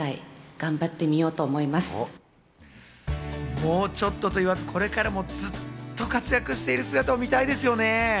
もうちょっとと言わず、これからもずっと活躍している姿を見たいですよね。